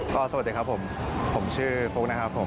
ก็สวัสดีครับผมผมชื่อฟุ๊กนะครับผม